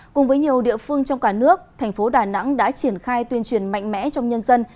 cùng với nhiều địa phương trong cả nước thành phố đà nẵng đã triển khai tuyên truyền mạnh mẽ trong nhân dân